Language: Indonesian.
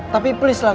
tapi please lah